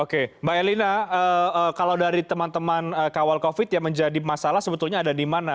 oke mbak elina kalau dari teman teman kawal covid yang menjadi masalah sebetulnya ada di mana